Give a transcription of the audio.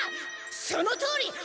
そのとおり！